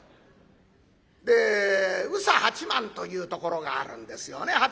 で宇佐八幡というところがあるんですよね。